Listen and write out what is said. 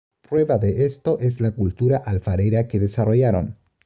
Prueba de esto es la cultura alfarera que desarrollaron.